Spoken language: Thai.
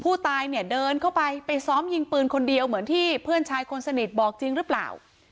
ผู้ตายเนี่ยเดินเข้าไปไปซ้อมยิงปืนคนเดียวเหมือนที่เพื่อนชายคนสนิทบอกจริงหรือเปล่า